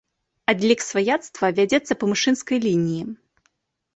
Адлік сваяцтва вядзецца па мужчынскай лініі.